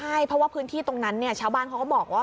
ใช่เพราะว่าพื้นที่ตรงนั้นเนี่ยชาวบ้านเขาก็บอกว่า